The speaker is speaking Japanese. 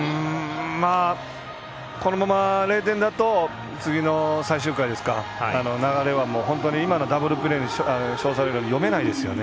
このまま０点だと次の最終回ですか流れは本当に今のダブルプレーで読めないですよね。